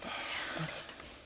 どうでしたか？